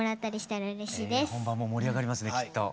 本番も盛り上がりますねきっと。